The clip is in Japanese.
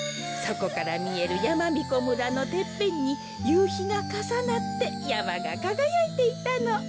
そこからみえるやまびこ村のてっぺんにゆうひがかさなってやまがかがやいていたの。